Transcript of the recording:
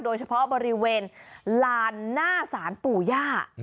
โดยเฉพาะบริเวณลานหน้าศาลปู่ย่า